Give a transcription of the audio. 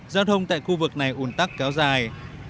giao thông tại khu vực này ủn tắc kéo dài